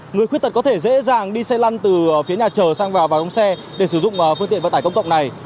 người khuyết tật có thể dễ dàng đi xe lăn từ phía nhà trờ sang vào vòng xe để sử dụng phương tiện vận tải công cộng này